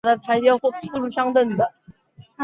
他目前居住在木头村所创造的村落。